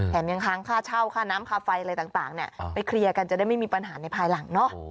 ยังค้างค่าเช่าค่าน้ำค่าไฟอะไรต่างไปเคลียร์กันจะได้ไม่มีปัญหาในภายหลังเนอะ